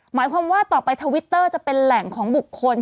หมายความว่าต่อไปทวิตเตอร์จะเป็นแหล่งของบุคคล